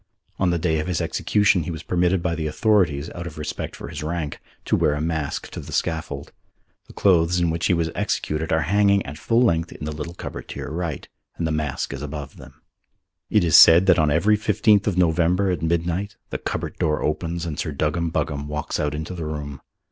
On the day of his execution he was permitted by the authorities, out of respect for his rank, to wear a mask to the scaffold. The clothes in which he was executed are hanging at full length in the little cupboard to your right, and the mask is above them. It is said that on every fifteenth of November at midnight the cupboard door opens and Sir Duggam Buggam walks out into the room.